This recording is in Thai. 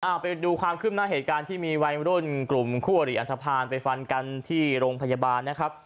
เอาไปดูความขึ้นหน้าเหตุการณ์ที่มีวัยรุ่นกลุ่มคู่อริอันทภาณไปฟันกันที่โรงพยาบาลนะครับ